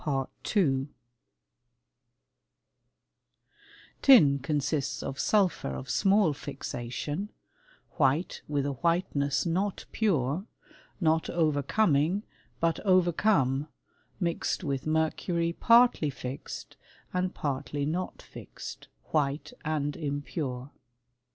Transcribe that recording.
§ Tin consists of sulphur of small fixation, white with a whiteness not pure, not overcoming but overcome, mixed with mercury partly fixed and partly not fixed, white and impure.